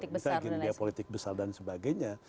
bagi biaya politik besar dan sebagainya